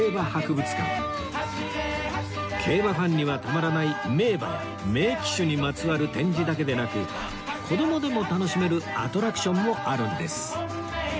競馬ファンにはたまらない名馬や名騎手にまつわる展示だけでなく子どもでも楽しめるアトラクションもあるんです